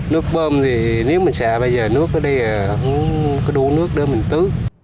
nước bơm thì nếu mình xả bây giờ nước ở đây là không có đủ nước để mình tứ